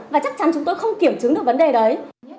và chắc chắn chúng tôi không kiểm chứng được vấn đề đấy